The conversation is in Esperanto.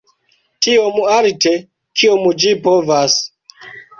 Tiom alte, kiom ĝi povas.